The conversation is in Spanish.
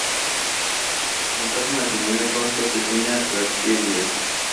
Contrajo matrimonio con Josefina García Díaz.